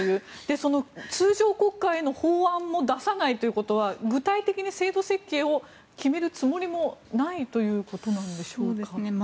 その通常国会へ法案も出さないということは具体的に制度設計を決めるつもりもないということなのでしょうか。